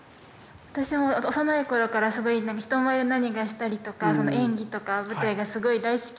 私も幼い頃からすごいなんか人前で何かしたりとか演技とか舞台がすごい大好きで。